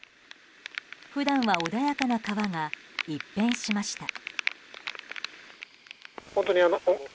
普段は穏やかな川が一変しました。